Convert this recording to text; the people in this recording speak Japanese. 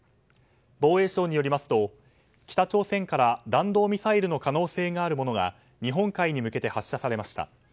防衛省によりますと北朝鮮から弾道ミサイルの可能性があるものが日本海に向けて発射されました。